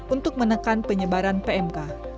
untuk menekan penyebaran pmk